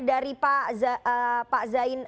dari pak zain